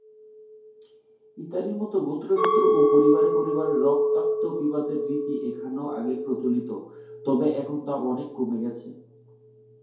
ইতালির মত গোত্রে গোত্রে ও পরিবারে পরিবারে রক্তাক্ত বিবাদের রীতি এখানেও আগে প্রচলিত, তবে এখন তা অনেক কমে গেছে।